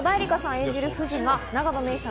演じる藤が永野芽郁さん